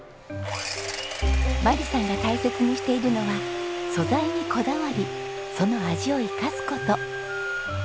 眞理さんが大切にしているのは素材にこだわりその味を生かす事。